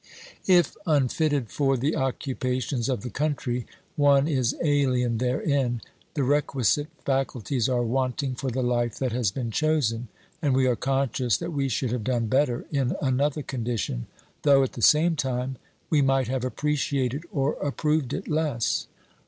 If unfitted for the occupations of the country, one is alien therein, the requisite faculties are wanting for the life that has been chosen, and we are conscious that we should have done better in another condition, though, at the same time, we might have appreciated or approved it less.